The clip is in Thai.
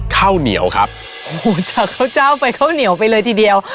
ข้าวเหนียวครับโอ้โหจากข้าวเจ้าไปข้าวเหนียวไปเลยทีเดียว